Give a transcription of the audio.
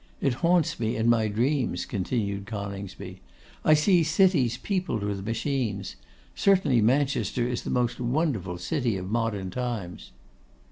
It haunts me in my dreams,' continued Coningsby; 'I see cities peopled with machines. Certainly Manchester is the most wonderful city of modern times!